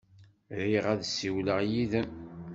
Riɣ ad ssiwleɣ yid-m.